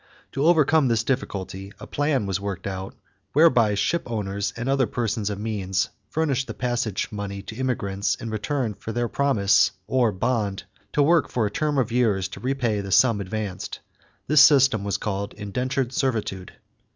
To overcome this difficulty a plan was worked out whereby shipowners and other persons of means furnished the passage money to immigrants in return for their promise, or bond, to work for a term of years to repay the sum advanced. This system was called indentured servitude.